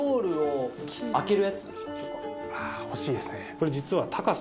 これ実は。